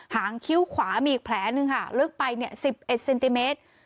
หางคิ้วขวามีอีกแผลหนึ่งค่ะลึกไป๑๑เซนติเมตร